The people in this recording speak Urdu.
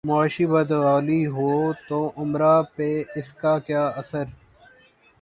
معاشی بدحالی ہو توامراء پہ اس کا کیا اثر؟